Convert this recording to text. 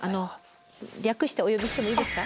略してお呼びしてもいいですか？